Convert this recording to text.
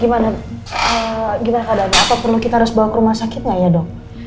gimana keadaannya apa perlu kita harus bawa ke rumah sakit nggak ya dok